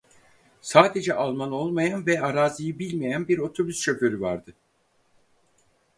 Sadece Alman olmayan ve araziyi bilmeyen bir otobüs şoförü vardı.